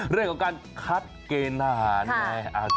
เรื่องของการคัดเกณฑ์อาหารไง